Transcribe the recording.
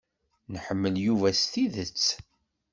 Nḥemmel Yuba s tidet.